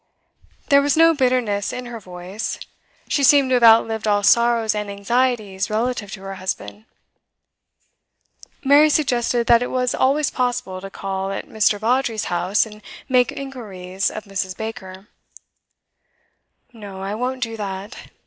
There was no bitterness in her voice. She seemed to have outlived all sorrows and anxieties relative to her husband. Mary suggested that it was always possible to call at Mr. Vawdrey's house and make inquiries of Mrs. Baker. 'No, I won't do that.